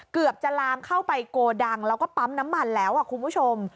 เกือบจะลามเข้าไปโกดังแล้วก็ปั๊มน้ำมันแล้วคุณผู้ชม